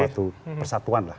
suatu persatuan lah